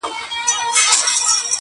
دا پاته عمر ملګي کومه ښه کومه .